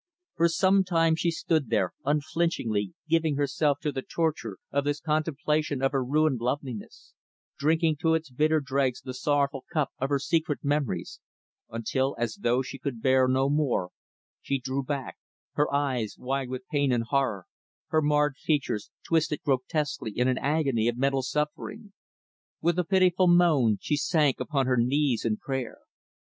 For some time she stood there, unflinchingly giving herself to the torture of this contemplation of her ruined loveliness; drinking to its bitter dregs the sorrowful cup of her secret memories; until, as though she could bear no more, she drew back her eyes wide with pain and horror, her marred features twisted grotesquely in an agony of mental suffering. With a pitiful moan she sank upon her knees in prayer.